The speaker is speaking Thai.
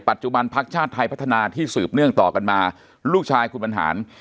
พักชาติไทยพัฒนาที่สืบเนื่องต่อกันมาลูกชายคุณบรรหาร